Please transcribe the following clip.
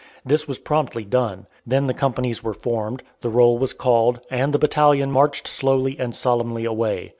This was promptly done. Then the companies were formed, the roll was called, and the battalion marched slowly and solemnly away.